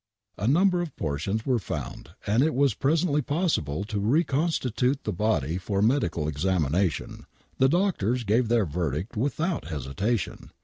A number of portions were found and it was presently possible to reconstitute the body for medical examination. The doctors gave their verdict without hesitation.